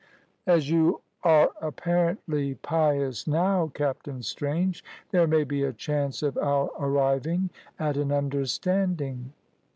"As you are apparently pious now, Captain Strange, there may be a chance of our arriving at an understanding."